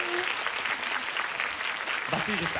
バッチリでした！